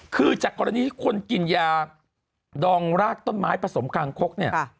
คือจากกรณีที่คนกินยาดองรากต้นไม้ผสมคางคกเนี่ย